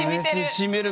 しみる。